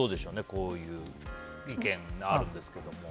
こういう意見があるんですけど。